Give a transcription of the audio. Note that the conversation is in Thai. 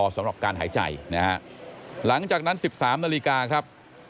สำหรับการหายใจนะฮะหลังจากนั้น๑๓นาฬิกาครับ